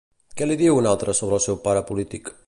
Què li diu un altre sobre el seu pare polític?